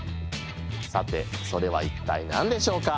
さてそれは一体何でしょうか。